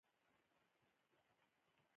مالټه د زړه د ناروغیو مخنیوی کوي.